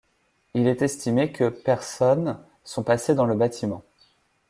Il est estimé que personnes sont passées dans le bâtiment.